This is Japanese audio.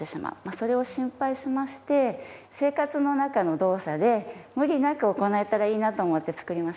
それを心配しまして生活の中の動作で無理なく行えたらいいなと思って作りました。